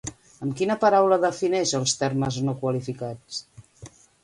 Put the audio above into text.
Amb quina paraula defineix els termes no qualificats?